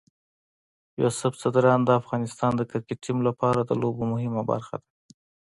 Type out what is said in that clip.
یوسف ځدراڼ د افغانستان د کرکټ ټیم لپاره د لوبو مهمه برخه ده.